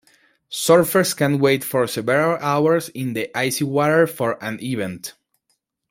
Surfers can wait for several hours in the icy water for an event.